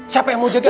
siapa yang mau jaga